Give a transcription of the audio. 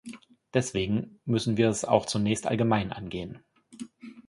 Deswegen müssen wir es auch zunächst allgemein angehen.